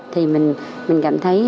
thì mình cảm thấy